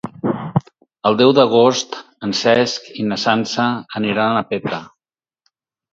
El deu d'agost en Cesc i na Sança aniran a Petra.